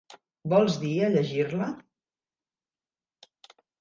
Vols dir a llegir-la?